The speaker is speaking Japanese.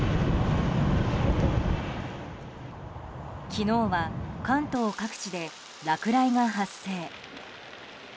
昨日は関東各地で落雷が発生。